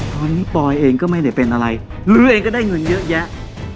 ตอนนี้ปอยเองก็ไม่ได้เป็นอะไรเลื่อเองก็ได้เงินเยอะแยะ